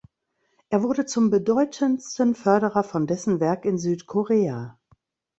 Er wurde zum bedeutendsten Förderer von dessen Werk in Südkorea.